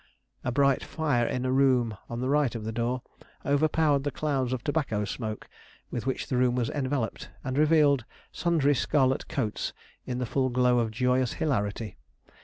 A bright fire in a room on the right of the door overpowered the clouds of tobacco smoke with which the room was enveloped, and revealed sundry scarlet coats in the full glow of joyous hilarity.